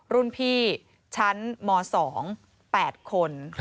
รุ่นพี่ชั้นม๒๘คน